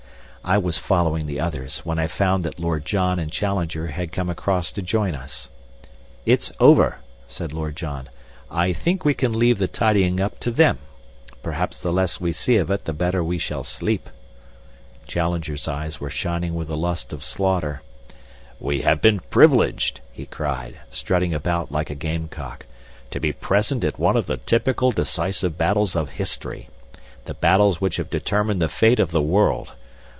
I was following the others, when I found that Lord John and Challenger had come across to join us. "It's over," said Lord John. "I think we can leave the tidying up to them. Perhaps the less we see of it the better we shall sleep." Challenger's eyes were shining with the lust of slaughter. "We have been privileged," he cried, strutting about like a gamecock, "to be present at one of the typical decisive battles of history the battles which have determined the fate of the world.